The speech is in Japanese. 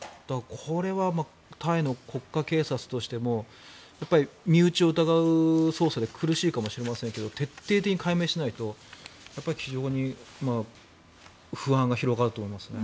これはタイの国家警察としても身内を疑う捜査で苦しいかもしれませんけど徹底的に解明しないと非常に不安が広がると思いますね。